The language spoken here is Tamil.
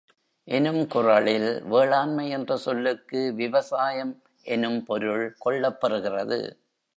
எனும் குறளில் வேளாண்மை என்ற சொல்லுக்கு விவசாயம் எனும் பொருள் கொள்ளப்பெறுகிறது.